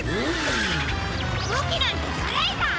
ぶきなんてずるいぞ！